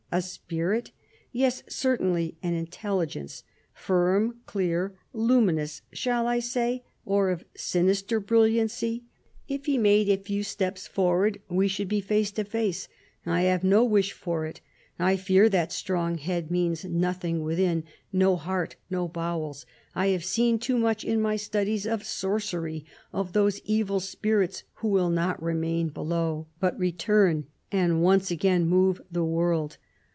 A spirit ? Yes, certainly an intelligence, firm, clear, luminous shall I say, or of sinister brilliancy ? If he made a few & CARDINAL DE KICHEI.IRU i>:\T A I'<)K''I'i;ait iiv I'Hm.ii'I'K di : lha.mi'Agxe THE CARDINAL I33 steps forward, we should be face to face. I have no wish for it. I fear that strong head means nothing within— no heart, no bowels. I have seen too much, in my studies of sorcery, of those evil spirits who will not remain below, but return, and once again move the world.